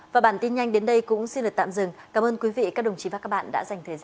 và bản tin nhanh đến đây cũng xin được tạm dừng cảm ơn quý vị các đồng chí và các bạn đã dành thời gian quan tâm theo dõi